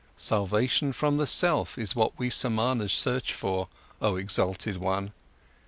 Salvation from the self is what we Samanas search for, oh exalted one.